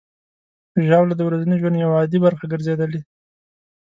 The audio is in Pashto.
ژاوله د ورځني ژوند یوه عادي برخه ګرځېدلې.